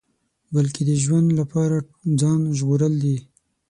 بلکې د ژوند لپاره ځان ژغورل دي.